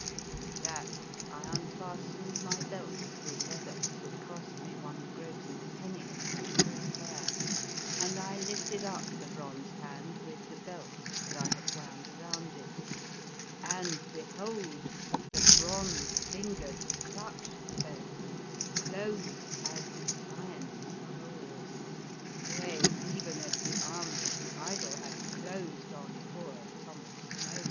With that I unfastened my belt of good leather, that cost me one groat and a penny at Canterbury fair, and I lifted up the bronze hand with the belt that I had wound around it, and, be hold, the bronze fingers clutched the belt, closed as do lion's claws — yea, even as the arms of the idol had closed on poor Thomas Snoad.